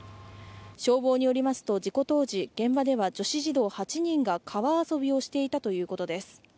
消防によりますと、事故当時現場では女子児童８人が川遊びをしていたということです。